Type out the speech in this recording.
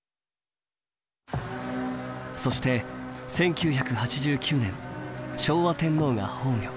そして１９８９年昭和天皇が崩御。